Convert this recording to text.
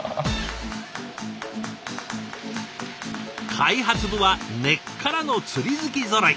開発部は根っからの釣り好きぞろい。